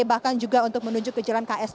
bahkan juga untuk menuju ke jalan ksp